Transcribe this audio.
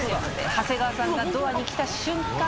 長谷川さんがドアに来た瞬間